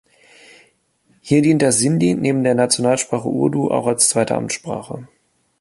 Hier dient das Sindhi neben der Nationalsprache Urdu auch als zweite Amtssprache.